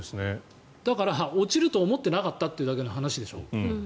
だから、落ちると思ってなかったってだけの話でしょ。